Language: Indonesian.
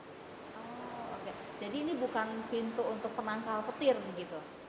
jadi ini bukan pintu untuk penangkal petir begitu